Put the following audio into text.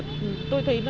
trở trời thì thường là